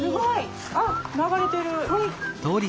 あっ流れてる。